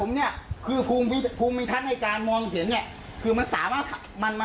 ซอยอื่นเขาก็ทำค่ะ